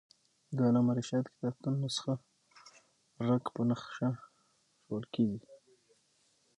د علامه رشاد کتابتون نسخه رک په نخښه ښوول کېږي.